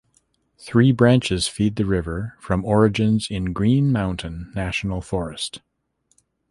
Three branches feed the river from origins in Green Mountain National Forest.